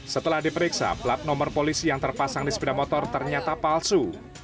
setelah diperiksa plat nomor polisi yang terpasang di sepeda motor ternyata palsu